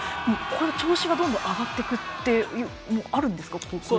調子がどんどん上がっていくってあるんですか。